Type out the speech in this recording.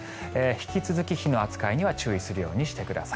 引き続き、火の扱いには注意するようにしてください。